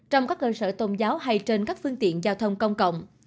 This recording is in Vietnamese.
trong các cơ sở tôn giáo hay trên các phương tiện giao thông công cộng